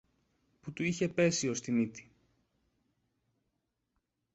που του είχε πέσει ως τη μύτη